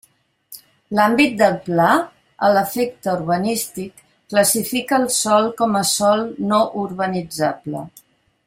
L'àmbit del Pla, a l'efecte urbanístic, classifica el sòl com a sòl no urbanitzable.